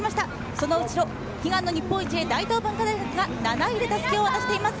その後ろ、悲願の日本一へ、大東文化大学が７位で襷を渡しています。